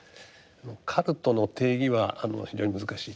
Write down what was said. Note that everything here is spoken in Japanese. カルトの定義は非常に難しいと。